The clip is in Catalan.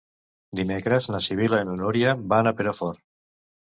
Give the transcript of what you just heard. Dimecres na Sibil·la i na Núria van a Perafort.